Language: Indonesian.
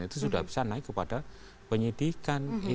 itu sudah bisa naik kepada penyidikan